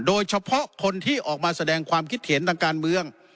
โดยเฉพาะคนที่ออกมาแสดงความคิดเห็นทางการเมือง